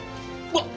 わっ！